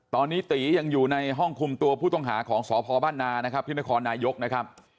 ตอนนี้ตียังอยู่ในห้องคุมตัวผู้ต้องหาของสพบ้านนานะครับที่นครนายกนะครับ